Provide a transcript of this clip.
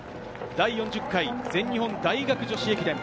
第４０回全日本大学女子駅伝。